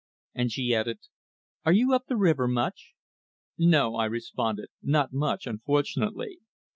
And she added, "Are you up the river much?" "No," I responded, "not much, unfortunately.